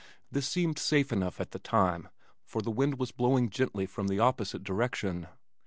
This seemed safe enough at the time for the wind was blowing gently from the opposite direction.